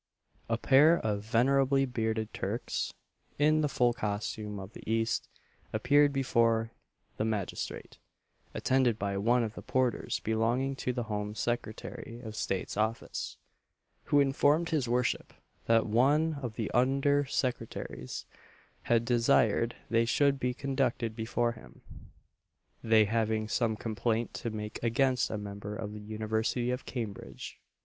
A pair of venerably bearded Turks, in the full costume of the East, appeared before the magistrate, attended by one of the porters belonging to the Home Secretary of State's Office, who informed his worship, that one of the under secretaries had desired they should be conducted before him; they having some complaint to make against a member of the University of Cambridge.